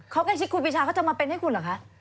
เขาใกล้ชิดครูปีชาเขาจะมาเป็นให้คุณเหรอคะ